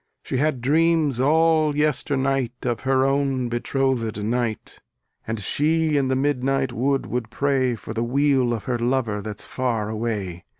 She had dreams all yesternight Of her own betrothed knight; And she in the midnight wood will pray For the weal of her lover that's far away.